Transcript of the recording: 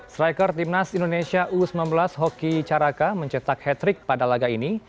striker timnas indonesia u sembilan belas hoki caraka mencetak hat trick pada laga ini